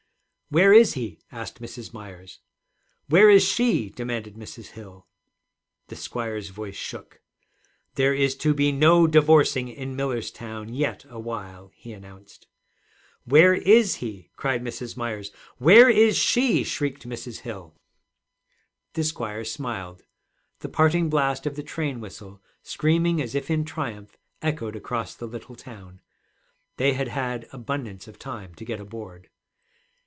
'Where is he?' asked Mrs. Myers. 'Where is she?' demanded Mrs. Hill. The squire's voice shook. 'There is to be no divorcing in Millerstown yet awhile,' he announced. 'Where is he?' cried Mrs. Myers. 'Where is she?' shrieked Mrs. Hill. The squire smiled. The parting blast of the train whistle, screaming as if in triumph, echoed across the little town. They had had abundance of time to get aboard.